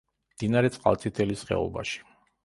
მდინარე წყალწითელის ხეობაში.